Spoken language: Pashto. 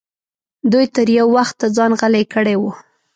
دوی تر یو وخته ځان غلی کړی و.